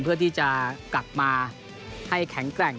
เพื่อที่จะกลับมาให้แข็งแกร่ง